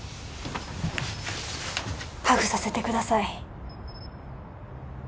ハグさせてください